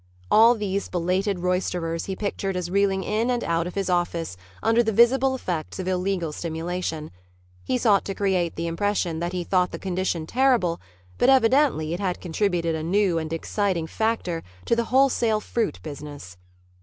All these belated roisterers he pictured as reeling in and out of his office under the visible effects of illegal stimulation. He sought to create the impression that he thought the condition terrible, but evidently it had contributed a new and exciting factor to the wholesale fruit business.